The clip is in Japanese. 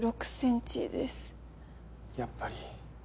やっぱり。